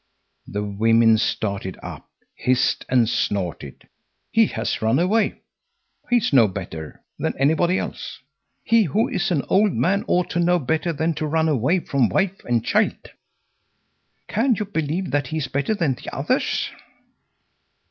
The women started up, hissed and snorted. "He has run away. He is no better than anybody else. He, who is an old man, ought to know better than to run away from wife and child. Can you believe that he is better than the others?"